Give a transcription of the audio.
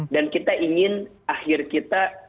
dan kita ingin akhir kita